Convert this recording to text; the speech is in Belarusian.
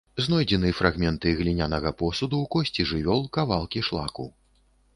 Знойдзены фрагменты глінянага посуду, косці жывёл, кавалкі шлаку.